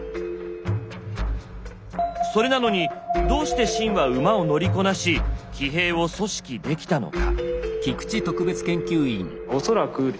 それなのにどうして秦は馬を乗りこなし騎兵を組織できたのか。